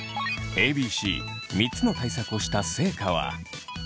ＡＢＣ３つの対策をした成果は？